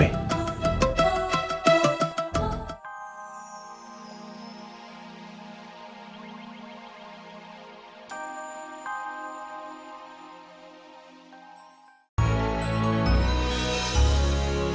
so ini migisophonnya udah berubah keoria